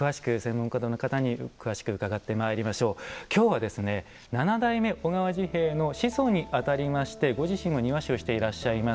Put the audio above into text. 今日はですね七代目小川治兵衛の子孫にあたりましてご自身も庭師をしていらっしゃいます